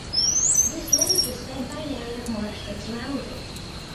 This lake is fed by an area of marsh that surrounds it.